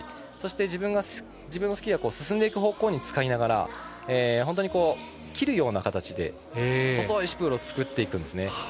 そして、自分のスキーが進んでいく方向に使いながら切るような形で細いシュプールを作っていくんですね。